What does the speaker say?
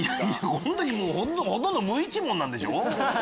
この時ほとんど無一文なんでしょ？